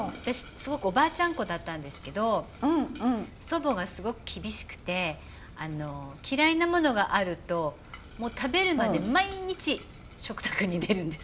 すごくおばあちゃんっ子だったんですけど祖母がすごく厳しくて嫌いなものがあると食べるまで毎日食卓に出るんです。